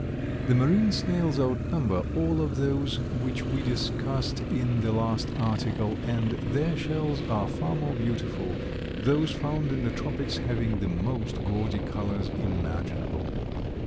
The marine snails outnumber all of those which we discussed in the last article, and their shells are far more beautiful, those found in the tropics having the most gaudy colors imaginable.